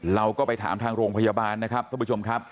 เราก็ไปถามทางโรงพยาบาลนะครับท่านผู้ชมครับ